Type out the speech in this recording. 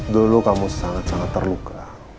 dulu kamu sangat sangat terluka